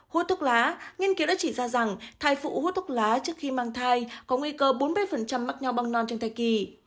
hút thuốc lá nghiên cứu đã chỉ ra rằng thai phụ hút thuốc lá trước khi mang thai có nguy cơ bốn mươi mắc nhau băng non trong thai kỳ